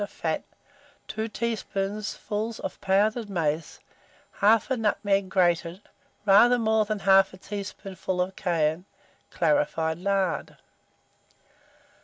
of fat, 2 teaspoonfuls of pounded mace, 1/2 nutmeg grated, rather more than 1/2 teaspoonful of cayenne, clarified lard.